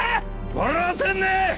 笑わせんね！